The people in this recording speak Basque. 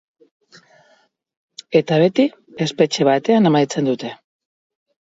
Eta beti, espetxe batean amaitzen dute.